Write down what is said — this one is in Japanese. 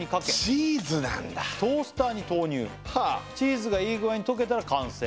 チーズなんだ「トースターに投入チーズがいい具合に溶けたら完成」